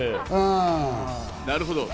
なるほど。